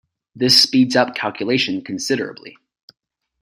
This speeds up calculation considerably.